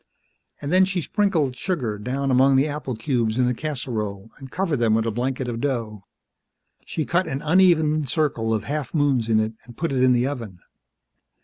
And then she sprinkled sugar down among the apple cubes in the casserole and covered them with a blanket of dough. She cut an uneven circle of half moons in it and put it in the oven.